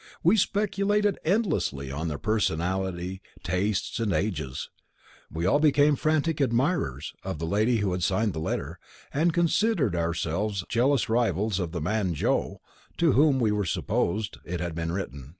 We speculated endlessly on their personalities, tastes, and ages. We all became frantic admirers of the lady who had signed the letter, and considered ourselves jealous rivals of the man 'Joe,' to whom, as we supposed, it had been written.